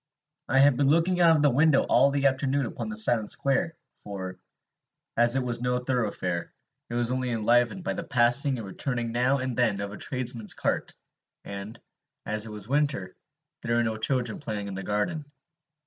I had been looking out of the window all the afternoon upon the silent square, for, as it was no thoroughfare, it was only enlivened by the passing and returning now and then of a tradesman's cart; and, as it was winter, there were no children playing in the garden.